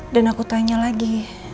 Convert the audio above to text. dan aku tanya lagi